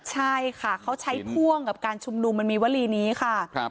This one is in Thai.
ใช่ค่ะเขาใช้พ่วงกับการชุมนุมมันมีวลีนี้ค่ะ